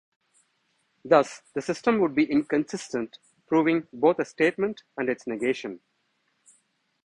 Thus the system would be inconsistent, proving both a statement and its negation.